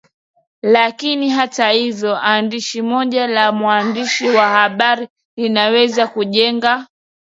lakini hata hivyo andishi moja la mwandishi wa habari linaweza kujenga